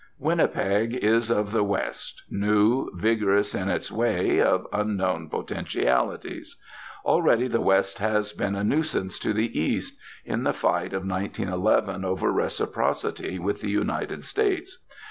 Winnipeg is of the West, new, vigorous in its way, of unknown potentialities. Already the West has been a nuisance to the East, in the fight of 1911 over Reciprocity with the United States.